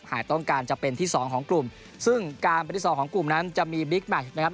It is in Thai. ต้องการจะเป็นที่สองของกลุ่มซึ่งการเป็นที่สองของกลุ่มนั้นจะมีบิ๊กแมชนะครับ